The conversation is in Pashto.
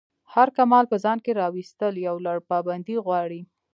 هر کمال په ځان کی راویستل یو لَړ پابندی غواړی.